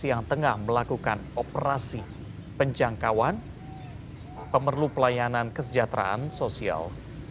yang tengah melakukan operasi penjangkauan pemerlu pelayanan kesejahteraan sosial